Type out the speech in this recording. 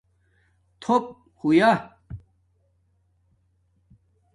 تھُݸپ ہویݳ